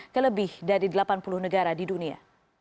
kelebih dari delapan puluh negara di dunia